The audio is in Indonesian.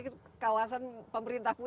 ini kawasan pemerintah punya